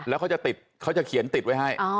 แล้วเขาจะติดเขาจะเขียนติดไว้ให้